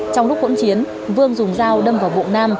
trong lúc hỗn chiến vương dùng dao đâm vào bụng nam